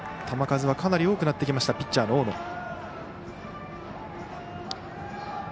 球数はかなり多くなってきましたピッチャーの大野。